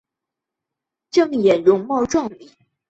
郑俨容貌壮丽。